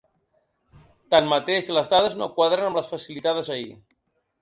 Tanmateix, les dades no quadren amb les facilitades ahir.